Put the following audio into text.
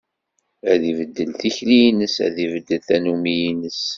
Ad ibeddel tikli-ines, ad ibeddel tannumi-ines.